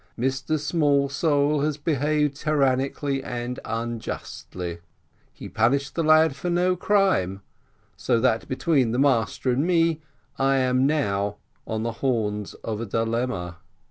Mr Smallsole has behaved tyrannically and unjustly; he punished the lad for no crime; so that what between the master and me, I am now on the horns of a dilemma.